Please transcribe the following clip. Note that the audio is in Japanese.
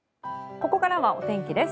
ここからはお天気です。